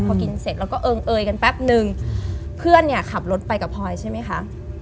พอกินเสร็จแล้วก็เอิงเอยกันแป๊บนึงเพื่อนเนี่ยขับรถไปกับพลอยใช่ไหมคะ